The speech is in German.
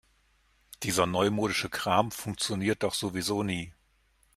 Dieser neumodische Kram funktioniert doch sowieso nie.